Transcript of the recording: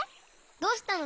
どうしたの？